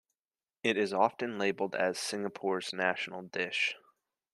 It is often labelled as Singapore's national dish.